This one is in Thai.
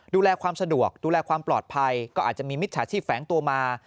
ดูแลความสะดวกดูแลความปลอดภัยก็อาจจะมีมิจฉาชีพแฝงตัวมา